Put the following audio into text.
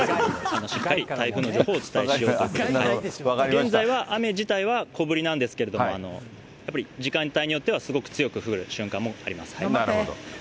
現在は雨自体は小降りなんですけれども、やっぱり、時間帯によってはすごく強く降る瞬間もあります。